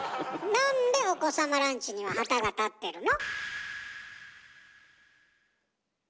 なんでお子様ランチには旗が立ってるの？